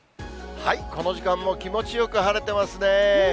この時間も気持ちよく晴れてますね。